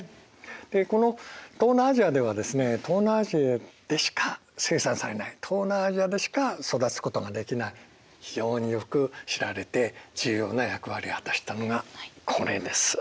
でこの東南アジアではですね東南アジアでしか生産されない東南アジアでしか育つことができない非常によく知られて重要な役割を果たしたのがこれです。